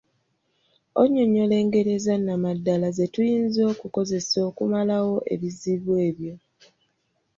Onnyonnyola engeri ezannamaddala ze tuyinza okukozesa okumalawo ebizibu ebyo.